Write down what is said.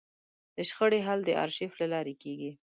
د شخړې حل د ارشیف له لارې کېږي.